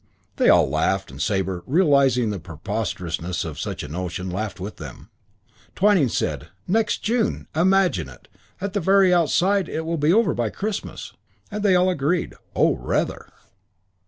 They all laughed, and Sabre, realising the preposterousness of such a notion, laughed with them. Twyning said, "Next June! Imagine it! At the very outside it will be well over by Christmas." And they all agreed, "Oh, rather!"